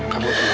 kamu tenang ya